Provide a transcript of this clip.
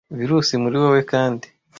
virusi muri wowe kandi